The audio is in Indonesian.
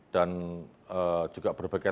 dan juga berbagai